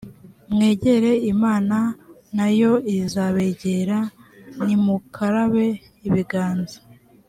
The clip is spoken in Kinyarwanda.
mwegere imana na yo izabegera nimukarabe ibiganza